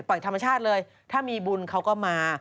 ธรรมชาติเลยถ้ามีบุญเขาก็มา